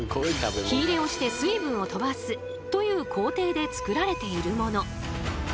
火入れをして水分を飛ばすという工程で作られているもの。